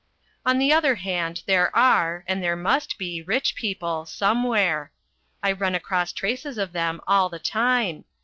On the other hand there are, and there must be rich people, somewhere. I run across traces of them all the time.